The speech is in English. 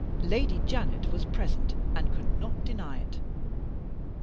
Lady Janet was present, and could not deny it.